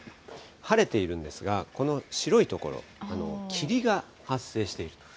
晴れているんですが、この白い所、霧が発生している。